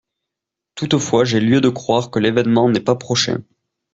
Toutefois j'ai lieu de croire que l'événement n'est pas prochain.